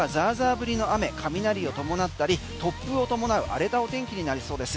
降りの雨雷を伴ったり、突風を伴う荒れたお天気になりそうです。